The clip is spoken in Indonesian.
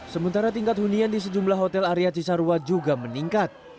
sementara tingkat hunian di sejumlah hotel area cisarua juga meningkat